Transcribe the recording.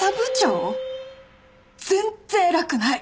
全然偉くない！